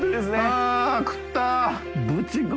あっ食った！